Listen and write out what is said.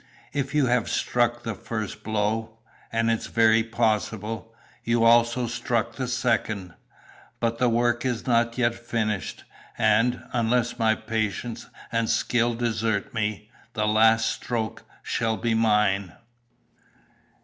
If you have struck the first blow and it's very possible you also struck the second. But the work is not yet finished, and, unless my patience and skill desert me, the last stroke shall be mine."